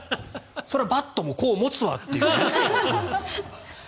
それはバットもこう持つわというね。